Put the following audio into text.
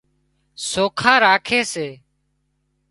سوکا راکي سي